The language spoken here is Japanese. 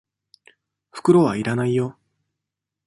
袋は要らないよ。